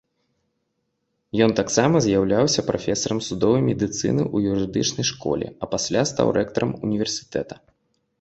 Ён таксама з'яўляўся прафесарам судовай медыцыны ў юрыдычнай школе, а пасля стаў рэктарам універсітэта.